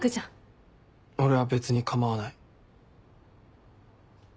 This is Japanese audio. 俺は別に構わない。